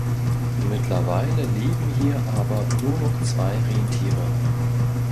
Mittlerweile leben hier aber nur noch zwei Rentiere.